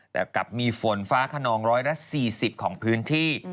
แต่กลับมีฝนฟ้าขนองร้อยละ๔๐ของพื้นที่